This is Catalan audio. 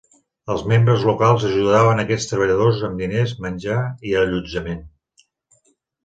Els membres locals ajudaven aquests treballadors amb diners, menjar i allotjament.